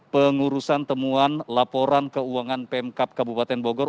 pengurusan temuan laporan keuangan pemkap kabupaten bogor